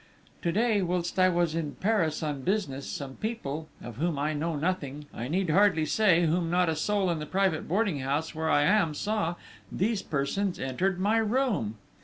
_ _To day, whilst I was in Paris on business, some people, of whom I know nothing, I need hardly say, whom not a soul in the private boarding house where I am saw, these persons entered my room!